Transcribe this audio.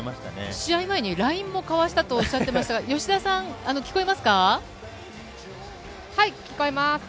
試合前にＬＩＮＥも交わしたとおっしゃってましたが、吉田さ聞こえます。